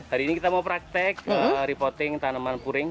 hari ini kita mau praktek repoting tanaman puring